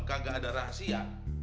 kagak ada rahasia